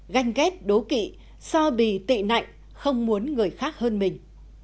ganh ghét đố kỵ so bì tị nạnh không muốn người khác hơn mình